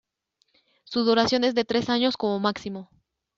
Su duración es de tres años como máximo.